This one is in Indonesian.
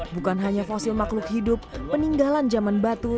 bukan hanya fosil makhluk hidup peninggalan jaman batu